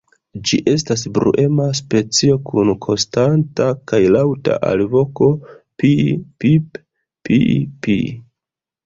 Ĝi estas bruema specio, kun konstanta kaj laŭta alvoko "pii-pip-pii-pii".